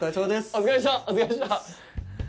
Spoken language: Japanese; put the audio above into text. お疲れっした。